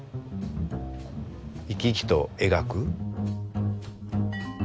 生き生きと描く。